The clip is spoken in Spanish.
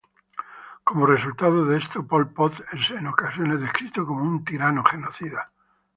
Como resultado de esto, Pol Pot es en ocasiones descrito como"un tirano genocida".